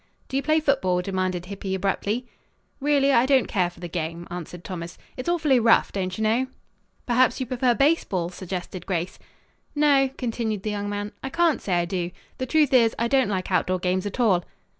"Do you play football?" demanded Hippy abruptly. "Really, I don't care for the game," answered Thomas. "It's awfully rough, don't you know." "Perhaps you prefer baseball?" suggested Grace. "No," continued the young man, "I can't say I do. The truth is, I don't like outdoor games at all."